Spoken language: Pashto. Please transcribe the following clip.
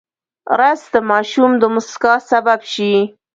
رس د ماشوم د موسکا سبب شي